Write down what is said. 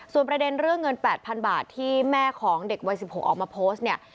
ส่วนประเด็นเรื่องเงิน๘๐๐๐บาทที่แม่ของเด็กวัย๑๖ออกมาโพสต์เนี่ย